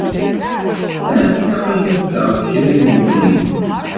Ahat ilaq-ak ad d-taɣeḍ kra n wemrig.